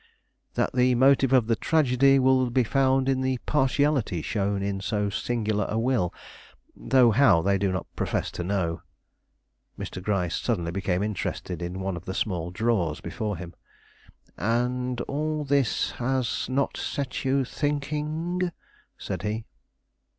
"That the motive of the tragedy will be found in the partiality shown in so singular a will, though how, they do not profess to know." Mr. Gryce suddenly became interested in one of the small drawers before him. "And all this has not set you thinking?" said he.